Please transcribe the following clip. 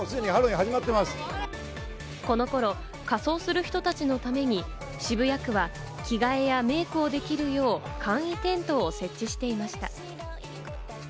この頃、仮装する人たちのために渋谷区は着替えやメイクができるよう簡易テントを設置していました。